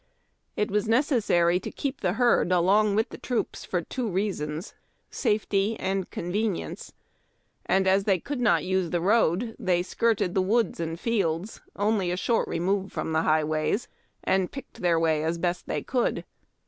It was necessary to keep the herd along with the troops for two reasons — safety and convenience; and, as they could not LEADING THE HERD. use the road, they skirted the fields and woods, only a short remove from the highways, and picked their way as best they could.